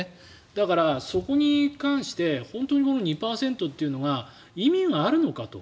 だからそこに関して本当に２％というのが意味があるのかと。